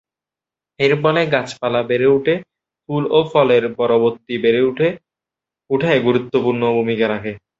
এর ফলে গাছপালা বেড়ে উঠে, ফুল ও ফলের পরবর্তী বেড়ে ওঠায় গুরুত্বপূর্ণ ভূমিকা রাখে।